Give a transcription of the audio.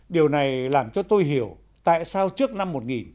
điều này làm cho tôi hiểu tại sao trước năm một nghìn chín trăm bảy mươi